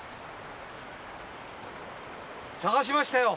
探しましたよ。